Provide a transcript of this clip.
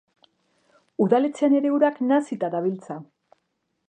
Udaletxean ere urak nahasita dabiltza.